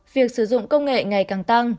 việc sử dụng công nghệ ngày càng tăng